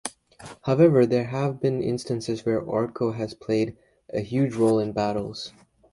However, there have been instances where Orko has played a huge role in battles.